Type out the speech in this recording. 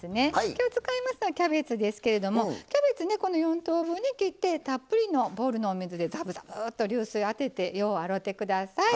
きょう使いますのはキャベツですけれどもキャベツねこの４等分に切ってたっぷりのボウルのお水でザブザブと流水当ててよう洗うて下さい。